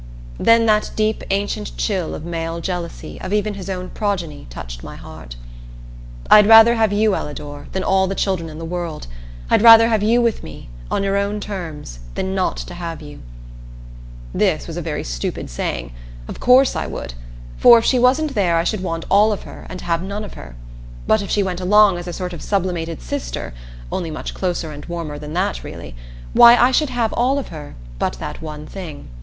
Then that deep ancient chill of male jealousy of even his own progeny touched my heart. "I'd rather have you, Ellador, than all the children in the world. I'd rather have you with me on your own terms than not to have you." This was a very stupid saying. Of course I would! For if she wasn't there I should want all of her and have none of her. But if she went along as a sort of sublimated sister only much closer and warmer than that, really why I should have all of her but that one thing.